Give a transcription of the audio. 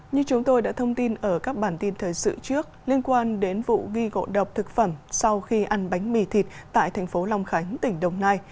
như chúng tôi đã thông tin ở các bản tin thời sự trước liên quan đến vụ ghi gộ độc thực phẩm sau khi ăn bánh mì thịt tại thành phố long khánh tỉnh đồng nai